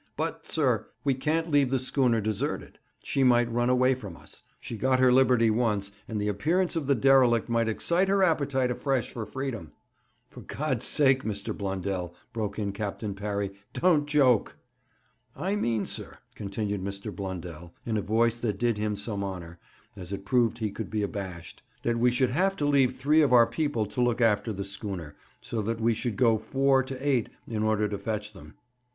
But, sir, we can't leave the schooner deserted. She might run away from us. She got her liberty once, and the appearance of the derelict might excite her appetite afresh for freedom.' 'For God's sake, Mr. Blundell,' broke in Captain Parry, 'don't joke!' 'I mean, sir,' continued Mr. Blundell, in a voice that did him some honour, as it proved he could be abashed, 'that we should have to leave three of our people to look after the schooner, so that we should go four to eight in order to fetch them.'